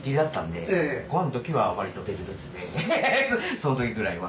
その時ぐらいは。